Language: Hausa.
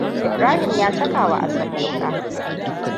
Ibrahim ya cakawa Asabe wuƙa.